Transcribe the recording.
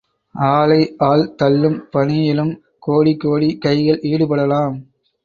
ஆளை ஆள் தள்ளும் பணியிலும், கோடி, கோடி கைகள் ஈடுபடலாம்.